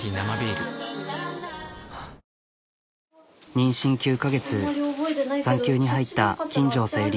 妊娠９カ月産休に入った金城小百合。